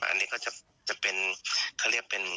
อันนี้ก็จะเป็นเขาเรียกเป็น